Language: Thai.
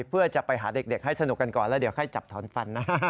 เพื่อจะไปหาเด็กให้สนุกกันก่อนแล้วเดี๋ยวค่อยจับถอนฟันนะ